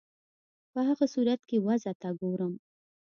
په هغه صورت کې وضع ته ګورم.